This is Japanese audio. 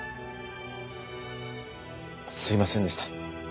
すいませんでした。